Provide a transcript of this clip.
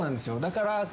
だから。